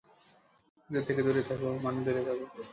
ওদের থেকে দূরে থাক মানে দূরে থাক!